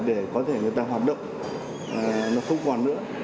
để có thể người ta hoạt động nó không còn nữa